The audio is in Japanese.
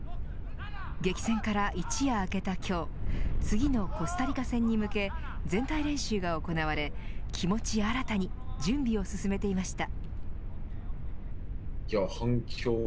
激戦から一夜明けた今日次のコスタリカ戦に向け全体練習が行われ気持ち新たに準備を進めていました。